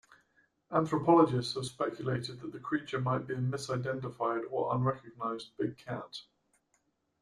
Anthropologists have speculated that the creature might be a misidentified or unrecognized big cat.